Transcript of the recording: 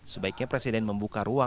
sebaiknya presiden membuka perusahaan